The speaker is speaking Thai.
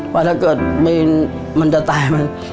ว่าถ้าเกิดมีมันจะตาย